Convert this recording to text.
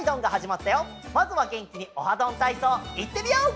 まずはげんきに「オハどんたいそう」いってみよう！